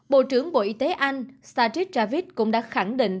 bộ trưởng bộ y tế anh sarid javid cũng đã khẳng định